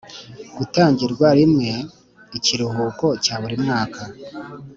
gutangirwa rimwe Ikiruhuko cya buri mwaka